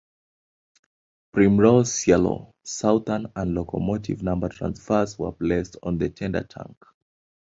Primrose Yellow 'Southern' and locomotive number transfers were placed on the tender tank.